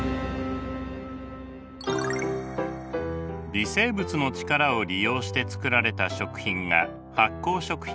微生物の力を利用して作られた食品が発酵食品です。